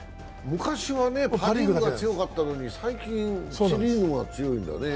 昔はパ・リーグが強かったのに最近セ・リーグが強いんだね。